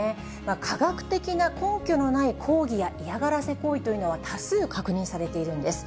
科学的な根拠のない抗議や嫌がらせ行為というのは、多数確認されているんです。